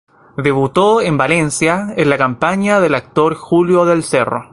Debutó en Valencia, en la compañía del actor Julio del Cerro.